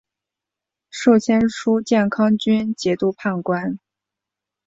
授签书建康军节度判官。